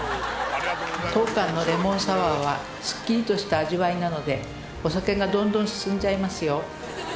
当館のレモンサワーはすっきりとした味わいなのでお酒がどんどん進んじゃいますよ